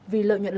vì lợi nhuận lớn